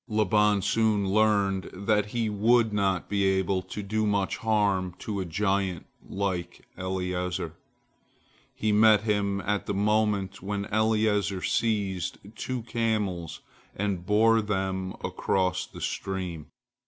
Laban soon learnt that he would not be able to do much harm to a giant like Eliezer. He met him at the moment when Eliezer seized two camels and bore them across the stream.